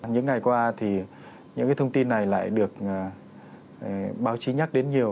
những ngày qua thì những cái thông tin này lại được báo chí nhắc đến nhiều